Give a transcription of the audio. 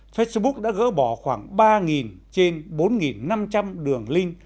facebook đã gỡ bỏ khoảng ba trên bốn năm trăm linh đường link